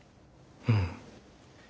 うん。